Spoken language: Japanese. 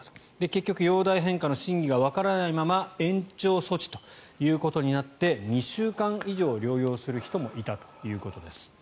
結局、容体変化の真偽がわからないまま延長措置ということになって２週間以上療養する人もいたということです。